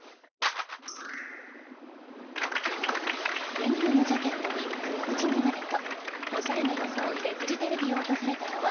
デニムのジャケットに黒縁眼鏡とおしゃれな装いでフジテレビを訪れたのは